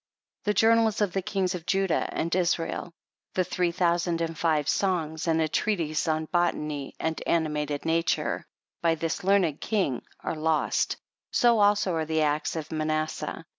The journals of the kings of Judah and Israel ; the three thousand and five songs, and a treatise on botany and animated nature, by this learned king, are lost ; so also are the "Acts of Manasseh."